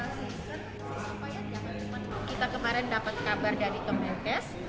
kita kemarin dapat kabar dari kemenkes